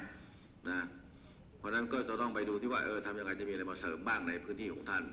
เพราะฉะนั้นก็จะต้องไปดูที่ว่าทำยังไงจะมีอะไรมาเสริมบ้างในพื้นที่ของท่าน